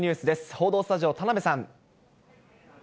報道スタジオ、田辺さん。